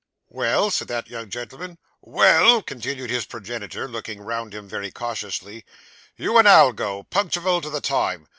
'Well?' said that young gentleman. 'Well,' continued his progenitor, looking round him very cautiously, 'you and I'll go, punctiwal to the time.